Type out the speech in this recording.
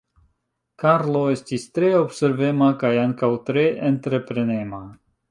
Karlo estis tre observema kaj ankaŭ tre entreprenema.